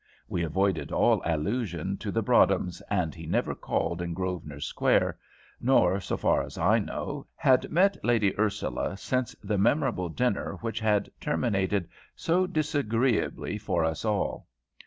We avoided all allusion to the Broadhems, and he never called in Grosvenor Square, nor, so far as I know, had met Lady Ursula since the memorable dinner which had terminated so disagreeably for us all.